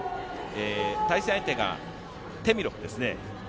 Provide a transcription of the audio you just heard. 対戦相手がテミロフですね。